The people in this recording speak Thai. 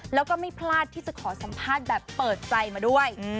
แล้วก็ไม่พลาดที่จะขอสัมภาษณ์แบบเปิดใจมาด้วย